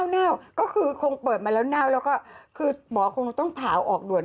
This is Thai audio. เน่าก็คือคงเปิดมาแล้วเน่าแล้วก็คือหมอคงต้องผ่าออกด่วน